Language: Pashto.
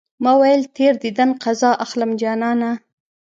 ما ويل تېر ديدن قضا اخلم جانانه